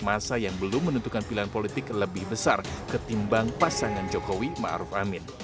masa yang belum menentukan pilihan politik lebih besar ketimbang pasangan jokowi ma'ruf amin